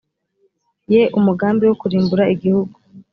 ye umugambi wo kurimbura igihugu